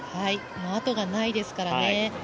後がないですからね。